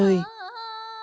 hò khoan lệ thủy